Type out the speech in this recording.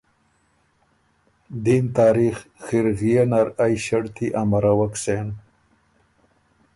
دیم تاریخ خِرغئے نر ائ ݭړطی امروَک سېن۔